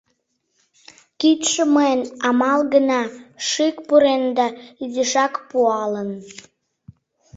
— Кидше мыйын амал гына, шӱк пурен да изишак пуалын...